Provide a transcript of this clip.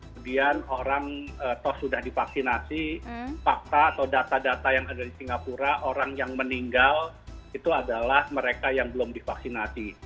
kemudian orang toh sudah divaksinasi fakta atau data data yang ada di singapura orang yang meninggal itu adalah mereka yang belum divaksinasi